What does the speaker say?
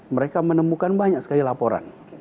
mereka menemukan banyak sekali laporan